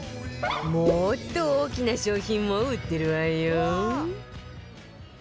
もっと大きな商品も売ってるわよ